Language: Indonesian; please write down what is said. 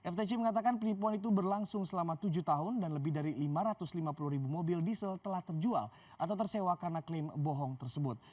ftc mengatakan penipuan itu berlangsung selama tujuh tahun dan lebih dari lima ratus lima puluh ribu mobil diesel telah terjual atau tersewa karena klaim bohong tersebut